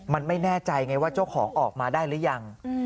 มันไม่แน่ใจไงว่าเจ้าของออกมาได้หรือยัง